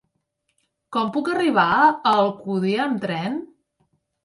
Com puc arribar a Alcúdia amb tren?